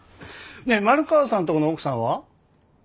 ねえ丸川さんとこの奥さんは？